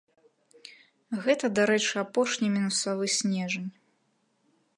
Гэта, дарэчы, апошні мінусавы снежань.